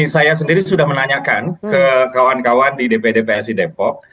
saya sendiri sudah menanyakan ke kawan kawan di dpd psi depok